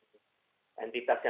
menurut analisis saya